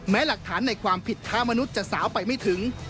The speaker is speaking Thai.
หลักฐานในความผิดค้ามนุษย์จะสาวไปไม่ถึง